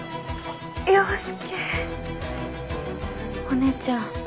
お姉ちゃん。